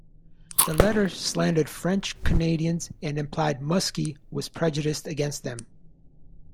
The letter slandered French-Canadians, and implied Muskie was prejudiced against them.